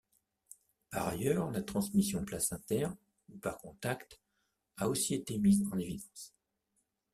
Par ailleurs la transmission placentaire ou par contact a aussi été mise en évidence.